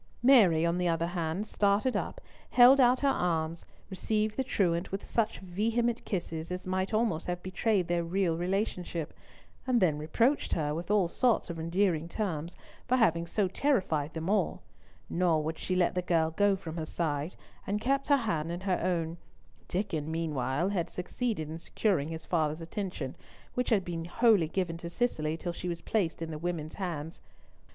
Mary, on the other hand, started up, held out her arms, received the truant with such vehement kisses, as might almost have betrayed their real relationship, and then reproached her, with all sorts of endearing terms, for having so terrified them all; nor would she let the girl go from her side, and kept her hand in her own, Diccon meanwhile had succeeded in securing his father's attention, which had been wholly given to Cicely till she was placed in the women's hands.